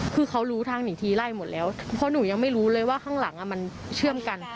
คือเขารู้ทางหนีทีไล่หมดแล้วเพราะหนูยังไม่รู้เลยว่าข้างหลังมันเชื่อมกัน